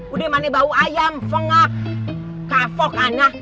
udah mana bau ayam fengak kafok anak